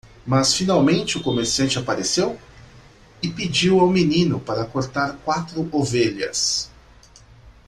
Mas finalmente o comerciante apareceu? e pediu ao menino para cortar quatro ovelhas.